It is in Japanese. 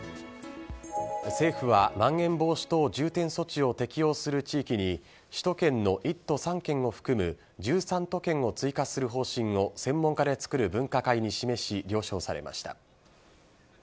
政府はまん延防止等重点措置を適用する地域に、首都圏の１都３県を含む、１３都県を追加する方針を専門家で作る分科会に示し、了承されました。